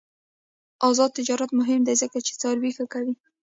آزاد تجارت مهم دی ځکه چې څاروي ښه کوي.